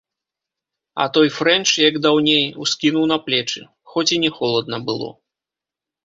А той фрэнч, як даўней, ускінуў на плечы, хоць і не холадна было.